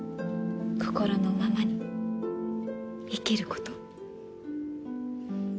心のままに生きること。